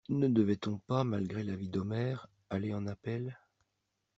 Ne devait-on pas malgré l'avis d'Omer, aller en appel?